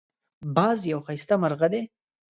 باز یو ښایسته مرغه دی